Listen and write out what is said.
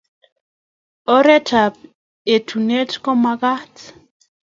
Oret ab etunet komakat